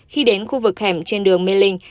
khi đến khu vực hẻm trên đường mê linh